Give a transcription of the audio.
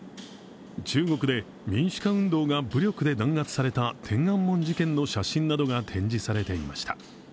中国で民主化運動が武力で弾圧された天安門事件の写真などが展示されていました。